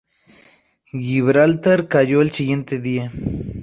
Gibraltar cayó el siguiente día.